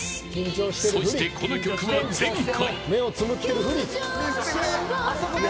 そして、この曲は前回。